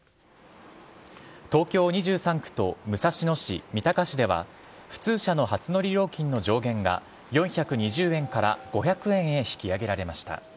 東京２３区と武蔵野市、三鷹市では、普通車の初乗り料金の上限が４２０円から５００円へ引き上げられました。